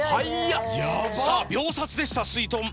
さぁ秒殺でしたすいとん。